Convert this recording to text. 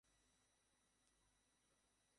তোমার প্রতি আল্লাহর রহমত বর্ষিত হোক।